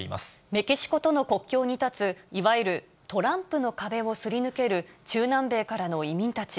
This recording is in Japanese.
メキシコとの国境に立ついわゆるトランプの壁をすり抜ける中南米からの移民たち。